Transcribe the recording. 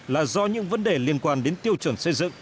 là do những vấn đề liên quan đến tiêu chuẩn xây dựng